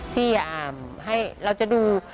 ที่ให้เราจะดู